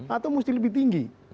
atau mesti lebih tinggi